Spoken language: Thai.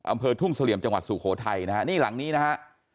อำเภอทุ่งเสลี่ยมจังหวัดสุโขทัยนะฮะนี่หลังนี้นะฮะ